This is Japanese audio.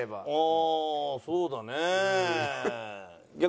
ああそうだね。